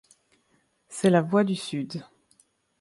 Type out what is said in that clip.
C'est la Voie du Sud.